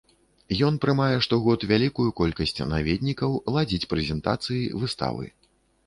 Ён прымае штогод вялікую колькасць наведнікаў, ладзіць прэзентацыі, выставы.